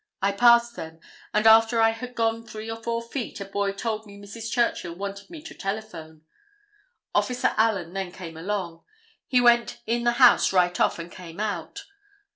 I passed them, and after I had gone three or four feet a boy told me Mrs. Churchill wanted me to telephone. Officer Allen then came along. He went in the house right off and came out.